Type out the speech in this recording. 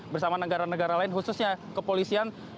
bersama negara negara lain khususnya kepolisian